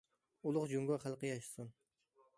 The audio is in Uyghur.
ئۇلۇغ جۇڭگو خەلقى ياشىسۇن!